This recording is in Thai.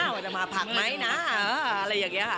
ว่าจะมาผักไหมนะอะไรอย่างนี้ค่ะ